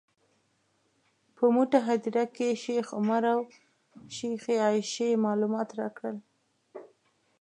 په موته هدیره کې شیخ عمر او شیخې عایشې معلومات راکړل.